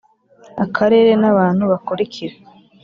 akarere n abantu bakurikira